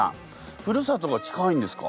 ふるさとが近いんですか？